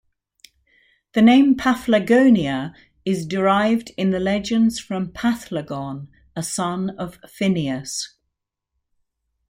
The name "Paphlagonia" is derived in the legends from Paphlagon, a son of Phineus.